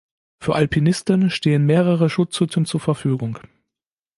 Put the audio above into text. Für Alpinisten stehen mehrere Schutzhütten zur Verfügung.